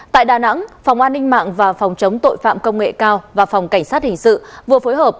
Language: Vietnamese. tại đà nẵng phòng an ninh mạng và phòng chống tội phạm công nghệ cao và phòng cảnh sát hình sự vừa phối hợp